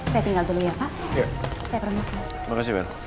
saya tinggal dulu ya pak